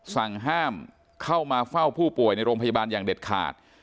สั่งห้ามเข้ามาเฝ้าผู้ป่วยในโรงพยาบาลอย่างเด็ดขาด